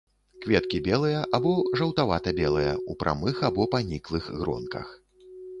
Кветкі белыя або жаўтавата-белыя, у прамых або паніклых гронках.